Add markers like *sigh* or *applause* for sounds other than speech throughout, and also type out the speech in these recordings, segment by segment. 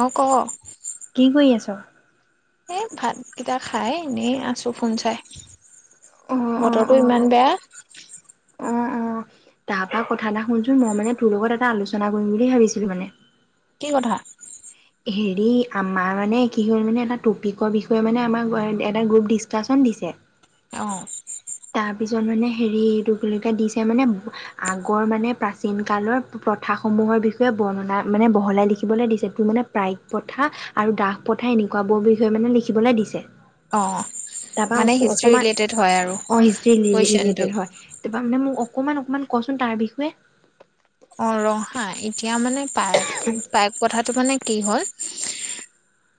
অ ক ত এ', ভাতকেইটা খাই এনেই আছো ফোন চাই। অ', অ', বতৰটো অ', ইমান বেয়া। তাৰ পৰা কথা এটা শুনচোন মই মানে তোৰ লগত এটা আলোচনা কৰিম বুলি ভাবিছিলো মানে। কি কথা? হেৰি আমাৰ মানে কি হ'ল মানে এটা টপিকৰ বিষয়ে মানে আমাক এটা গ্ৰুপ ডিচকাচন দিছে। আহ', পিছত মানে হেৰিটো খুলিখত দিছে মানে আগৰ মানে প্ৰাচীন কালৰ প্ৰথাসমূহৰ বিষয়ে বৰ্ণনা মানে বহলাই লিখিবলৈ দিছে মানে পাইক প্ৰথা আৰু দাহ প্ৰথা এনেকুৱাবোৰ বিষয়ে মানে লিখিবলৈ দিছে। অ তাৰ পৰা মানে উত্ত হিষ্ট্ৰী অকমান ৰিলেটেড হয় আৰু অ হিষ্ট্ৰী কুৱেশনটো ৰিলেটেড হয় তোমাক মানে মোক অক অকমান অকমান কচোন তাৰ বিষয়ে? অ ৰহা এতিয়া মানে পাইক প্ৰথাটো মানে কি হ'ল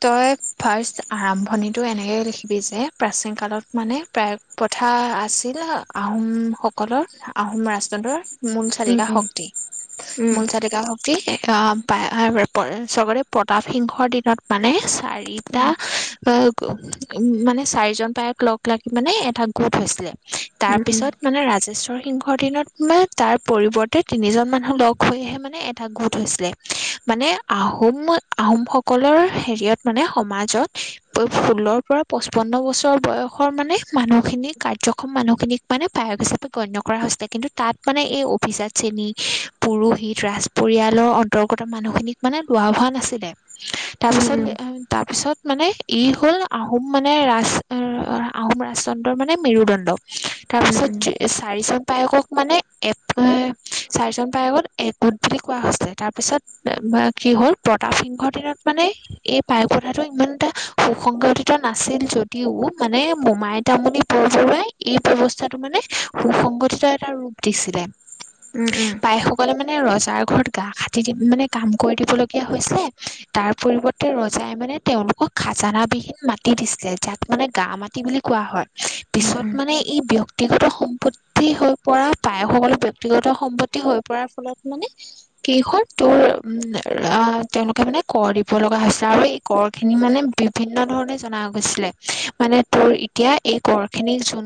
তই ফাৰ্ষ্ট আৰম্ভণিটো এনেকে লিখিবি, যে প্ৰাচীন কালত মানে পাইক প্ৰথা আছিল আহোম সকলৰ আহোম ৰাজতন্ত্ৰৰ- অ মুলচালিকা শুনি শক্তি মূলচালিকাশক কি প্ৰতাপসিংহৰ দিনত মানে চাৰিটা প্ৰথা মানে চাৰিজন পায়েক, লগ লাগি মানে এটা গোট হৈছিলে। তাৰ পিছত মানে ৰাজেশ্বৰ, সিংহৰদিনত তাৰ পৰিৱৰ্তে তিনিজন মানুহ লগ হৈহে মানে এটা গোট হৈছিলে মানে আহোম আহোম, সকলৰ হেৰিয়ত মানে সমাজত ষোল্লৰ পৰা পচপন্ন বছৰ বয়সৰ মানে মানুহখিনিক কাৰ্যক্ষম মানুহখিনিক মানে পায়ক, হিচাপে গণ্য কৰা হৈছিলে কিন্তু তাত মানে এই অভিজাত শ্ৰেণী পুৰোহিত ৰাজ পৰিয়ালৰ অন্তৰ্গত মানুহখিনিক মানে লোৱা ভোৱা নাছিলে। তাৰ পিছত তাৰ পিছত মানে ই হ'ল আহোম মানে ৰাজ আহোম ৰাজতন্ত্ৰৰ, মানে মেৰুদণ্ড, তাৰপিছত চাৰি চ পায়েকক মানে এশ এক চাৰিজন পায়েকক একগোট বুলি কোৱা হৈছিল, তাৰপিছত কি হল প্ৰতাপ সিংহৰ দিনত মানে এই পায়েক প্ৰথাটো ইমানটা সু-সংগঠিত নাছিল যদিও মানে মোমাই তামূলি বৰবৰুৱাই, এই ব্যৱস্থাটো মানে সুসংগঠিত এটা ৰূপ দিছিলে। পায়েকসকলে মানে মানে ৰজাৰ ঘৰত গা খাটি দি মানে কাম কৰি দিবলগীয়া হৈছিল। তাৰ পৰিৱৰ্তে ৰজাই মানে তেওঁলোকক খাজানা বিহীন মাটি দিছিলে যাক মানে গা মাটি বুলি কোৱা হয় পিছত মানে ই ব্যক্তি ব্যক্তিগত সম্পত্তি হৈ পৰা পায়সকলোক্তি *unintelligible* গত সম্পত্তি হৈ পৰাৰ ফলত মানে কেইখন তোৰ উ তেওঁলোকে মানে কৰ দিব লগা হৈছিল আৰু এই কৰ খিনি মানে বিভিন্ন ধৰণে জনা গৈছিলে মানে তোৰ এতিয়া এই কৰ খিনি যোন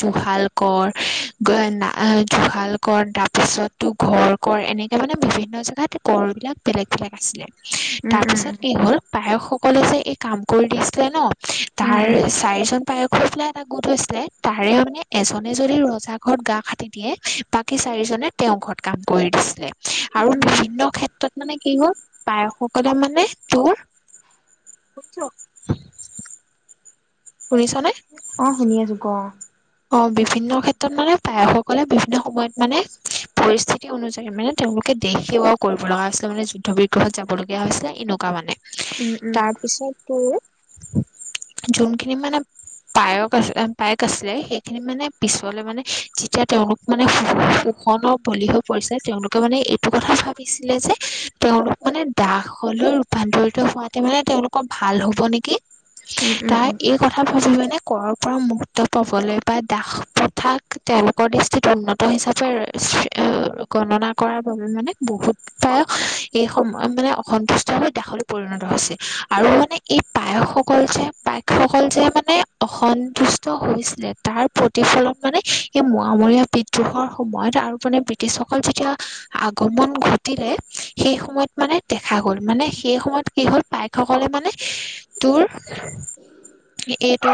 জুহাল কৰ *inaudible* জুহাল কৰ তাৰপিছতো ঘৰ কৰ এনেকৈ মানে বিভিন্ন জেগাত কৰবিলাক বেলেগ বেলেগ আছিলে। তাৰ পিছত কি হ'ল পায়কসকলে যে এই কাম কৰি দিছিল ন তাৰ চাৰিজন পায়ক খুফেলা এটা গোট হৈছিলে তাৰে মানে এজনে যদি ৰজা ঘৰত গা খাটি দিয়ে বাকী চাৰিজনে তেওঁৰ ঘৰত কাম কৰি দিছিলে আৰু বিভিন্ন ক্ষেত্ৰত মানে কি হ'ল পায়সসকলে মানে তোৰ বুইছ ফুৰিছ নে? আছো ক অ বিভিন্ন ক্ষেত্ৰত মানে পায়সসকলে বিভিন্ন সময়ত মানে পৰিস্থিতি অনুযায়ী মানে তেওঁলোকে দেশ সেৱাও কৰিব লগা হৈছিলে মানে যুদ্ধ বিগ্ৰহত যাব লগগীয়া হৈছিলে এনেকুৱা মানে উম উম তাৰ পিছত যোনখিনি মানে পায়ক আছে পায়েক আছিল সেই খিনি মানে পিছলে মানে যেতিয়া তেওঁলোক মানে শোষণৰ বলি হৈ পৰিছে তেওঁলোকে মানে এইটো কথা ভাবিছিলে যে তেওঁলোক মানে দাসলৈ ৰূপান্তৰিত হোৱাতে মানে তেওঁলোকৰ ভাল হব নেকি উম উম উম উম উম তাই এই কথা ভাবিব মানে ক'ৰপৰা পৰা মুহৰ্ত পাবলৈ বা দাস প্ৰথাক তেওঁলোকৰ দৃষ্টিত উন্নত হিচাপে গণনা কৰাৰ বাবে মানে বহুত পায়স এই সময় মানে অসন্তুষ্টভাৱ দাসলৈ পৰিণত হৈছিল আৰু মানে এই পায়সসকল যে পায়সসকল যে মানে অসন্তুষ্ট হৈছিলে। তাৰ প্ৰতিফলন মানে এই মোৱামৰীয়া বিদ্ৰোহৰ সময়ত আৰু মানে ব্ৰিটিছসকল যেতিয়া আগমন ঘটিলে সেই সময়ত মানে দেখা গল মানে সেই সময়ত কি হ'ল বাইকসকলে মানে তোৰ এইটো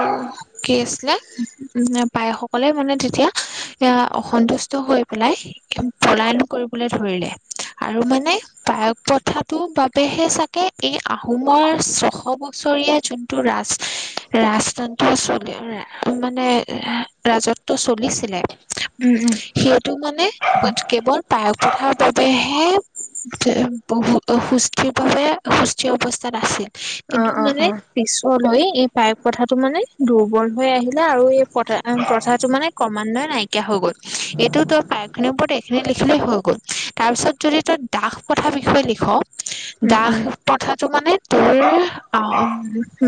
কি আছিলে? পায়সসকলে মানে তেতিয়া এ অসন্তুষ্ট হৈ পেলাই পলায়ন কৰিবলৈ ধৰিলে আৰু মানে পায়ক প্ৰথাটোৰ বাবেহে চাগে এই আহোমৰ ছশ বছৰীয়া যোনটো ৰাজ ৰাজতন্ত্ৰ চলে মানে ৰাজত্ব চলিছিলে? সেইটো মানে কেৱল পায়স পথাৰ বাবেহে বহু সুস্থিৰ বাবে সুস্থিৰ অৱস্থাত আছিল। অ কিন্তু অ মানে অ পিছত? লৈ এই পায়ক পথাটো মানে দুৰ্বল হৈ আহিলে আৰু এই প্ৰথা প্ৰথাটো মানে ক্ৰমান্বয়ে নাইকিয়া হৈ গ'ল এইটো তই পায়খিৰ ওপৰত এইখিনি লিখিলেই হৈ গ'ল তাৰপিছত যদি তই দাস প্ৰথাৰ বিষয়ে লিখ উম দাহ উম পথত তোৰ মানে তোৰ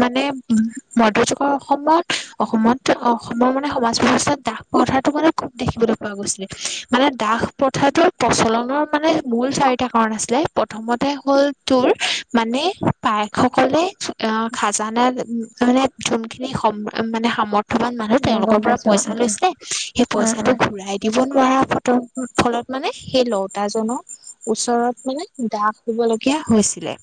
মানে উ মধ্যযুগৰ অসমত অসমত অসমৰ মানে সমাজ ব্যৱস্থা দাহ প্ৰথাৰটো মানে খুব দেখিবলৈ পোৱা গৈছিলে মানে দাহ প্ৰথাৰটোৰ প্ৰচলনৰ মানে মূল চাৰিটা কাৰণ আছিলে প্ৰথমতে হ'ল তোৰ মানে পায়কসকলে আহ খাজানা মানে যোনখিনি মানে সামৰ্থয়বান অ গম তেওঁলোকৰ পৰা পাইছো অ অ পইচা লৈছে সেই অ পইচাটো ঘূৰাই দিব নোৱাৰা। ফলত মানে সেই লৌতাজনৰ ওচৰত মানে দাগ হবলগীয়া হৈছিলে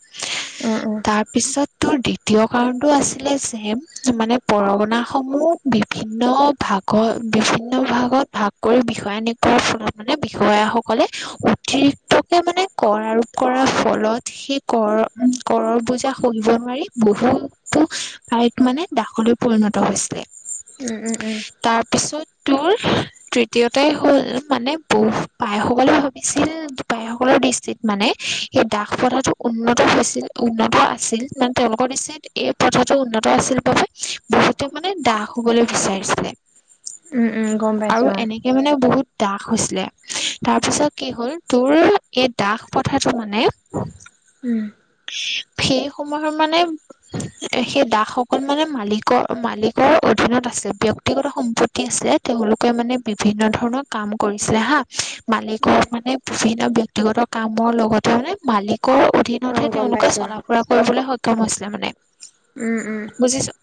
অ অ অ তাৰপিছত তোৰ দ্বিতীয় কাৰণটো আছিলে যে মানে পৰগনা সমূহ বিষয়ে ভিন্ন ভাগত বিভিন্ন ভাগত ভাগ কৰি বিষয়া নিকাৰ ফলত মানে বিষয়াসকলে অতিৰিক্তকে মানে কৰ আৰোপ কৰাৰ ফলত সেই কৰ কৰৰ বোজা সহিব নোৱাৰি বহুতো ঠাইত মানে দাসলৈ পৰিণত হৈছিলে। উম উম উম তাৰ পিছত তোৰ তৃতীয়তে হ'ল মানে বহু পায়সকলে ভাবিছিল পায়সকলৰ দৃষ্টিত মানে এই দাস প্ৰথাটো উন্নত হৈছিল উন্নত আছিল মানে তেওঁলোকৰ দৃষ্টিত এই প্ৰথাটো উন্নত আছিল বাবে বহুতে মানে দাস। শুবলৈ বিচাৰিছিলে, উম উম গম পাইছো আৰু অ এনেকে মানে বহুত দাস হৈছিলে তাৰপিছত কি হ'ল তোৰ এই দাস প্ৰথাটো মানে উম। সেই সময়ত মানে সেই দাস সকল মানে মালিকৰ মালিকৰ অধীনত আছিল ব্যক্তিগত সম্পত্তি আছিলে তেওঁলোকে মানে বিভিন্ন ধৰণৰ কাম কৰিছিলে হা মালিকৰ উম মানে এ ব্যক্তিগত কামৰ লগতে মানে মালিকৰ, অ মতে গম তেওঁলোকে পাইছো চলা ফুৰা কৰিবলৈ সক্ষম হৈছিল লে মানে। উম উম বুজিছোঁ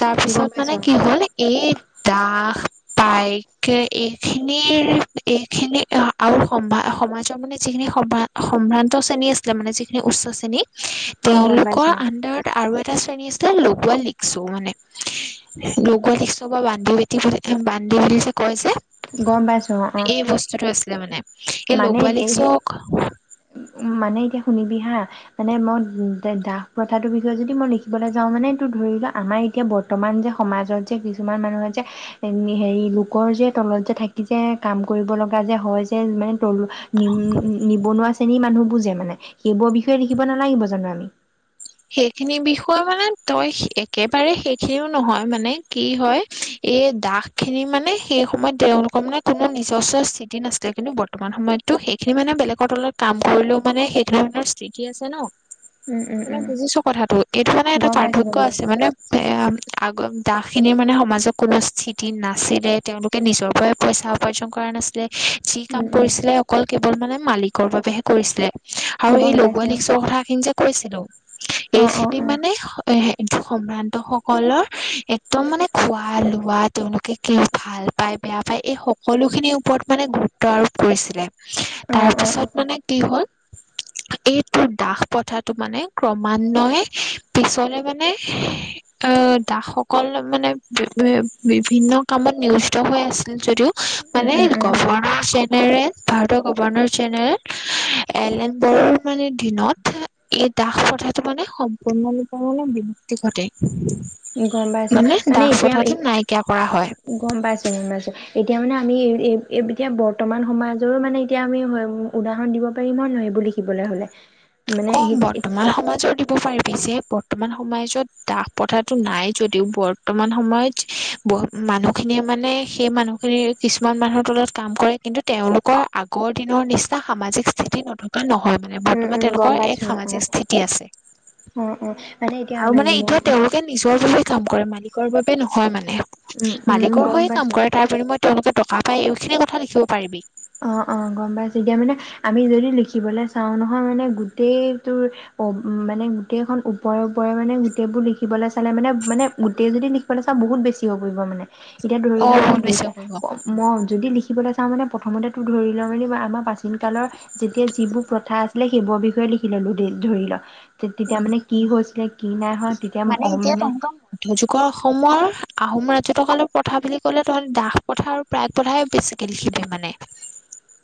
তাৰ গম পিছত মানে পাইছো কি হ'ল এই দাস পাইকে এইখিনিৰ এইখিনি আৰু সম্ভা সমাজৰ মানে যিখিনি সম সম্ভ্ৰান্ত শ্ৰেণী আছিলে মানে যি উচ্চ শ্ৰেণী অ গম তেওঁলোকৰ পাইছো আণ্ডাৰত আৰু এ এটা শ্ৰেণী আছিলে লগোৱা লিকচৌ মানে লগোৱা লিকচৌ বা বান্দি বেটি বুলি বান্দি বুলি কয় যে গম পাইছো অঁ অঁ এই বস্তুটো আছিলে মানে এই লগুৱা লিকচৌক মানে এতিয়া শুনিবি হা মানে মই দাস প্ৰথাটোৰ বিষয়ে যদি মই লিখিবলৈ যাওঁ মানে এইটো ধৰিলোৱা আমাৰ এতিয়া বৰ্তমান যে সমাজত যে কিছুমান মানুহে যে হেৰি লোকৰ যে তলত যে থাকি যে কাম কৰিব লগা যে হয় যে মানে উম নিবনুৱা শ্ৰেণী মানহ তো মানুহবোৰ যে মানে সেইবোৰৰ বিষয়ে লিখিব নালাগিব জানো আমি? সেইখিনি বিষয়ে মানে তই একেবাৰে সেইখিনিও নহয় মানে কি হয় এই দাস খিনি মানে সেই সময়ত তেওঁলোকৰ মানে কোনো নিজস্ব স্থিতি নাছিলে কিন্তু বৰ্তমান সময়তো সেইখিনি মানে বেলেগৰ তলত কাম কৰিলেও মানে সেই ধৰণৰ স্থিতি আছে ন উম, উম, মানে উম বুজিছো কথাটো এইটো মানে এটা গম পাইছো পাৰ্থক্য গম আছে পাইছো মানে এ আগত দাস খিনিৰ মানে সমাজত কোনো স্থিতি নাছিলে তেওঁলোকে নিজৰ পৰাই পইচা উপাৰ্জন কৰা নাছিলে। যি কাম উম উম কৰিছিলে অকল কেৱল মানে মালিকৰ বাবেহে কৰিছিলে। আৰু এই গম লগুৱা পাইছো লিকচৌ কথা খিনি যে কৈছিলো। অ অ এইখিনি অ মানে সদায় সে কিন্তু সম্ভ্ৰান্ত সকলৰ একদম মানে খোৱা লোৱা তেওঁলোকে কি ভাল পায় বেয়া পায় এই সকলো খিনিৰ ওপৰত মানে গুৰুত্ব আৰোপ কৰিছিলে। অ তাৰ অ অ পিছত মানে কি হ'ল এইটো দাস প্ৰথাটো মানে ক্ৰমান্বয়ে পিছলৈ মানে দাসসকল মানে বিভিন্ন কামত নিয়োজিত হৈ আছিল যদিও উম মানে উম কব উম নোৱাৰাকে নেৰে ভাৰতৰ গৱৰ্ণৰ জেনেৰেল এলে এন বড়োৰ মানে দিনত দাস পথাটো মানে সম্পূৰ্ণৰূপে মানে বিলুপক্তি ঘটে গম পাইছো মানে দাস এতিয়া প্ৰথাটো নাইকিয়া কৰা হয়। গম পাইছো গম পাইছো এতিয়া মানে আমি এতিয়া বৰ্তমান সমাজৰো মানে এতিয়া আমি উদাহৰণ দিব পাৰিম নহ নহয়েইবোৰ লিখিবলৈ হলে মানে অঁ সেই বৰ্তমান সমাজৰ দিব পাৰিবা পিছে বৰ্তমান সমাজত দাহ পতাটো নাই যদিওঁ বৰ্তমান সময়ত মানুহখিনিয়ে মানে সেই মানুহখিনিৰ কিছুমান মানুহৰ তলত কাম কৰে কিন্তু তেওঁলোকৰ আগৰ দিনৰ নিচিনা সামাজিক স্থিতি নথকা নহয় মানে উম বৰ্তমান উম তেনে গম এক পাইছো সামাজিক স্থিতি আছে অ অ অ মানে এতিয়া আৰু আমি মানে এতিয়া তেওঁলোকে নিজৰ বাবে কাম কৰে মালিকৰ বাবে নহয় মানে উম উম মালিকৰ গম হৈয়ে কাম পাইছো কৰে তাৰ বিনিময মই তেওঁলোকে টকা পাই এইখিনি কথা লিখিব পাৰিবি। অ অ গম পাইছ তেতিয়া মানে আমি যদি লিখিবলৈ চাও নহয় মানে গোটেই তোৰ মানে গোটেইখন ওপৰে ওপৰে মানে গোটেইবোৰ লিখিবলৈ চালে মানে মানে গোটেই যদি লিখিবলৈ চাওঁ বহুত বেছি হৈ পৰিব মানে এতিয়া ধৰি লোৱা অ', মানে বহুত বেছি দুইটা পৰিব মই যদি লিখি লৈ চাওঁ মানে প্ৰথমতে তোৰ ধৰি ল মানে মই আমাৰ প্ৰাচীন কালৰ যেতিয়া যিবোৰ প্ৰথা আছিলে সেইবোৰৰ বিষয়ে লিখি ললো দেই ধৰি ল তেতিয়া মানে কি হৈছিলে কি নাই হোৱা উ তেতিয়া মানে এতিয়া তহঁতৰ মধ্যৰ যুগৰ অসমৰ আহোম ৰাজত্ব কালৰ প্ৰথা বুলি কলে তহ দাস প্ৰথা আৰু পাইক প্ৰথাই বেছিকে লিখিবি মানে।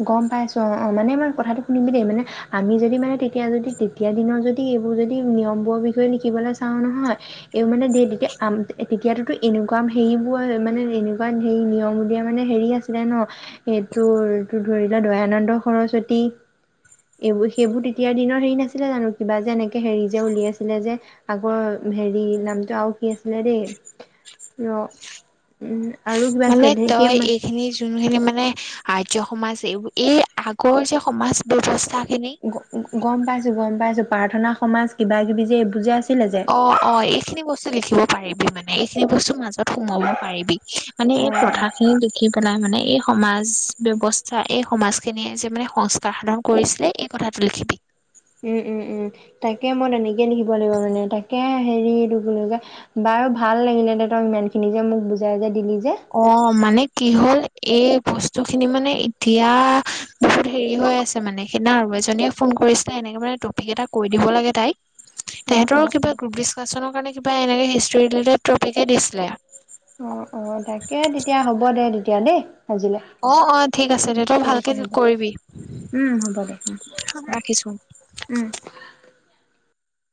গম পাইছো অ অ মানে মই কথাটো শুনিমি দেই মানে আমি যদি মানে তেতিয়া যদি তেতিয়া দিনৰত যদি এইবোৰ যদি নিয়মবোৰৰ বিষয়ে লিখিবলৈ চাও নহয় এই মানে দেই তেতিয়া তেতিয়াতোতো এনেকুৱা হেৰিবোৰ মানে এনেকুৱা হে নিয়ম দিয়া মানে হেৰি আছিলে ন এইটোৰ তোৰ টো ধৰি লোৱা দয়ানন্দ সৰস্বতী এইবোৰ সেইবোৰ তেতিয়াৰ দিনৰ হেৰি নাছিলে জানো কিবা যে এনেকে হেৰি যে উলিয়াইছিলে যে আগৰ হেৰি নামটো আৰু কি আছিলে দেই ৰ আৰু কিবা মানে আছিলে তই সেই এইখিনি খিনি মানে আৰ্য সমাজ এইবোৰ এই আগৰ যে সমাজ ব্যৱস্থা খিনি গম পাইছো গম পাইছো। প্ৰাৰ্থনা সমাজ কিবা কিবা কি যে এই বুজাই অ অ এইখিনি বস্তু লিখিব পাৰিবি মানে এইখিনি বস্তুৰ মাজত সুমোব পাৰিবি মানে অ এই প্ৰথা খিনি লিখি কে মানে এই সমাজ ব্যৱস্থাৰ এই সমাজ খিনিয়ে যে মানে সংস্কাৰ সাধন কৰিছিলে এই কথাটো লিখিবি। উম উম উম তাকে মই নিজে লিখিব লাগিব মানে তাকে হেৰিলো যে বাৰু ভাল লাগিলে দেহতক ইমান খিনি যে মোক বুজাই যে দিলি। যে অ মানে কি হ'ল এই বস্তুখিনি মানে এতিয়া বহুত হেৰি হৈ আছে মানে সেইদিনা আৰু এজনীয়ে ফোন কৰিছিলে এনেকে মানে টপিক এটা কৈ দিব লাগে তাইক অ তেহতৰো অ অ কিবা গ্ৰুপ ডিচকাশচনৰ কাৰণে কিবা এনেকে হিষ্টটো যে টপিকে দিছিলে। অ অ তাকে তেতিয়া হ'ব দে দি এতিয়া দেই সাজিলে অ অ ঠিক আছে দে তই ঠিক ভালকে আছে হ'ব কৰিবি হ'ব দে হ ৰাখিছো